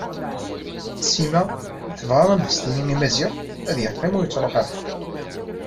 Sima tebɣa ad as-tini i Maziɣ ad yeqqim ur yettruḥ ara.